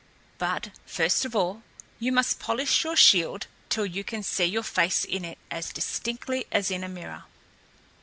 But, first of all, you must polish your shield till you can see your face in it as distinctly as in a mirror."